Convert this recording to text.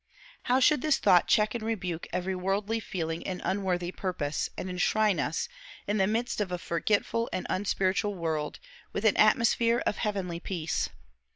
How should this thought check and rebuke every worldly feeling and unworthy purpose, and enshrine us, in the midst of a forgetful and unspiritual world, with an atmosphere of heavenly peace.